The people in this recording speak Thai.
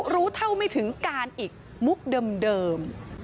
รู้เท่าไม่ถึงการอีกมุกเดิม